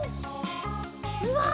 うわ！